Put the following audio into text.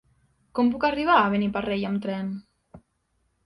Com puc arribar a Beniparrell amb tren?